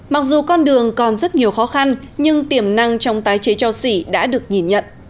mặc dù con đường còn rất nhiều khó khăn nhưng tiềm năng trong tái chế cho xỉ đã được nhìn nhận